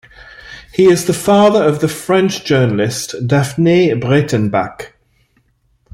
He is the father of the French journalist Daphnee Breytenbach.